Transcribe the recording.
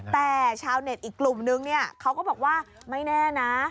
แต่ชาวเน็ตอีกกลุ่มนึงเนี่ยเขาก็บอกว่าไม่แน่นะ